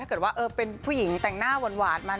เกิดว่าเป็นผู้หญิงแต่งหน้าหวานมา